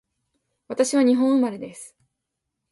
私は日本生まれです